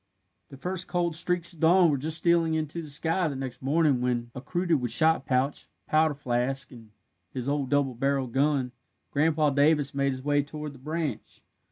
The first cold streaks of dawn were just stealing into the sky the next morning when, accoutred with shot pouch, powder flask, and his old double barrelled gun, Grandpa Davis made his way toward the branch.